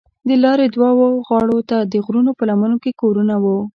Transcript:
د لارې دواړو غاړو ته د غرونو په لمنو کې کورونه وو.